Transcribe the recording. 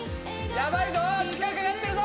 ・ヤバいぞ時間かかってるぞ！